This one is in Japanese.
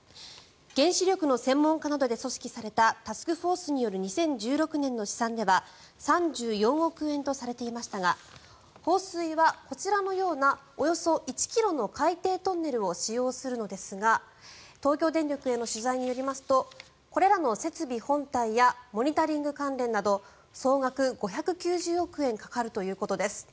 原子力の専門家などで組織されたタスクフォースによる２０１６年の試算では３４億円とされていましたが放水はこちらのようなおよそ１ｋｍの海底トンネルを使用するのですが東京電力への取材によりますとこれらの設備本体やモニタリング関連など総額５９０億円かかるということです。